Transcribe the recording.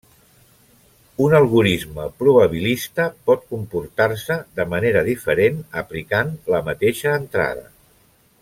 Un algorisme probabilista pot comportar-se de manera diferent aplicant la mateixa entrada.